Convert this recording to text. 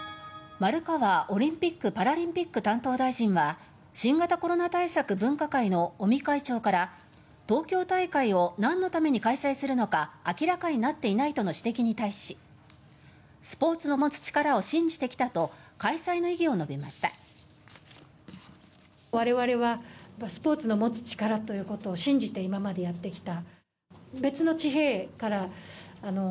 丸川オリンピック・パラリンピック担当大臣は新型コロナ対策分科会の尾身会長から東京大会を何のために開催するのか明らかになっていないとの指摘に対しスポーツの持つ力を信じてきたと開催の意義を述べました。